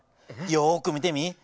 よく見てみ。